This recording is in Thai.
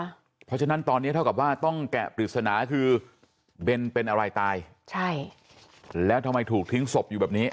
เพราะฉะนั้นตอนนี้เท่ากับว่าต้องแกะปริศนาคือเบนเป็นอะไรตายใช่แล้วทำไมถูกทิ้งศพอยู่แบบนี้